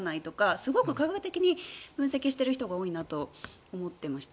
すごく科学的に分析している人が多いなと思ってました。